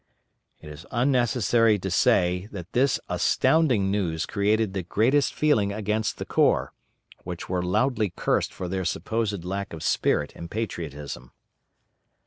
It is unnecessary to say that this astounding news created the greatest feeling against the corps, who were loudly cursed for their supposed lack of spirit and patriotism.